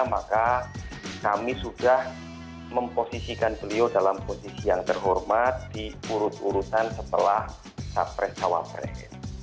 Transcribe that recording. maka kami sudah memposisikan beliau dalam posisi yang terhormat di urut urutan setelah capres cawapres